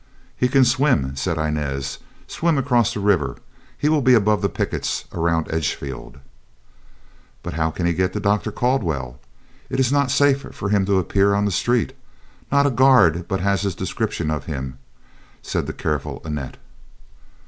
"He can swim," said Inez, "swim across the river. He will be above the pickets around Edgefield." "But how can he get to Dr. Caldwell? It is not safe for him to appear on the street. Not a guard but has a description of him," said the careful Annette.